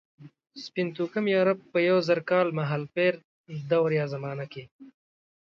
سپین توکمي عرب په یو زر کال مهالپېر کې.